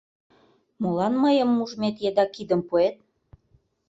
Молан мыйым ужмет еда кидым пуэт?